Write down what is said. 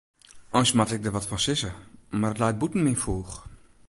Eins moat ik der wat fan sizze, mar it leit bûten myn foech.